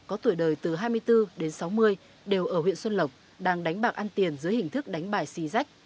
có tuổi đời từ hai mươi bốn đến sáu mươi đều ở huyện xuân lộc đang đánh bạc ăn tiền dưới hình thức đánh bài xì rách